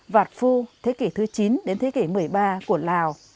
vạt phu thế kỷ thứ chín đến thế kỷ một mươi ba của lào